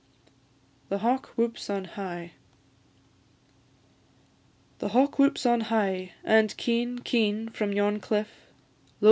THE HAWK WHOOPS ON HIGH. The hawk whoops on high, and keen, keen from yon' cliff, Lo!